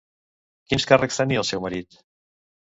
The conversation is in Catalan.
Quins càrrecs tenia el seu marit?